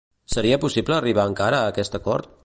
Seria possible arribar encara a aquest acord?